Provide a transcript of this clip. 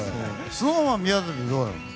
ＳｎｏｗＭａｎ、宮舘はどうなの？